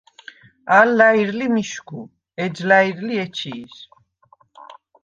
ალ ლა̈ირ ლი მიშგუ, ეჯ ლა̈ირ ლი ეჩი̄შ.